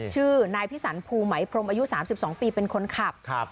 ชื่อนายพิสันภูไหมพรมอายุ๓๒ปีเป็นคนขับ